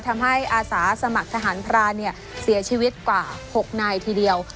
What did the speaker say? อาสาสมัครทหารพรานเสียชีวิตกว่า๖นายทีเดียว